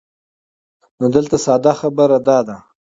نو دلته ساده خبره دا ده